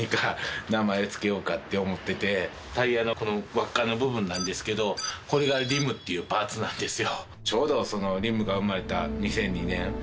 タイヤの輪っかの部分なんですけど、これがリムっていうパーツなんですよ。